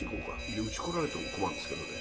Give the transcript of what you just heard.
「いやうち来られても困るんですけどね。